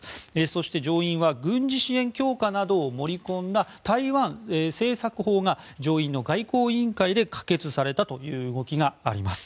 そして上院は軍事支援強化などを盛り込んだ台湾政策法が上院の外交委員会で可決されたという動きがあります。